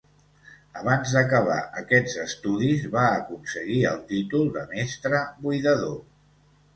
Abans d'acabar aquests estudis, va aconseguir el títol de Mestre Buidador.